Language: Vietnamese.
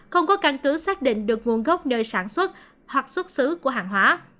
không có căn cứ xác định được nguồn gốc nơi sản xuất hoặc xuất xứ của hàng hóa